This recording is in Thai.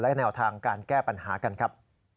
และแนวทางการแก้ปัญหากันครับ